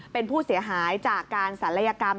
เป็นผู้เสียหายจากการศัลยกรรม